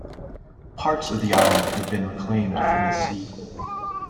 Parts of the island have been reclaimed from the sea.